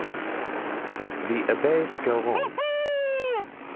The Abbé Scarron.